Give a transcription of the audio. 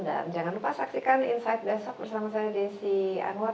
dan jangan lupa saksikan insight besok bersama saya desi anwar